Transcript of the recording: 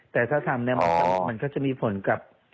แต่ถ้าทำเนี่ยมันก็จะมีผลกับ